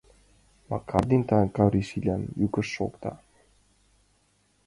Макар ден Кавриш Илян йӱкышт шокта.